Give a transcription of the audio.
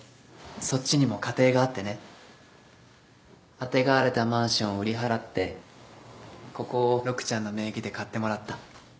そっちにも家庭があってねあてがわれたマンションを売り払ってここを陸ちゃんの名義で買ってもらった。